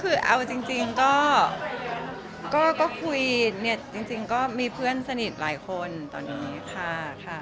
คือเอาจริงก็คุยเนี่ยจริงก็มีเพื่อนสนิทหลายคนตอนนี้ค่ะ